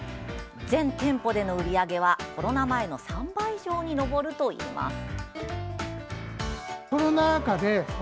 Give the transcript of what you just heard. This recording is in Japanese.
全店舗での売り上げはコロナ前の３倍以上に上るといいます。